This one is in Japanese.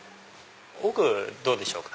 奥どうでしょうか。